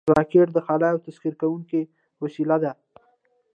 راکټ د خلا یو تسخیر کوونکی وسیله ده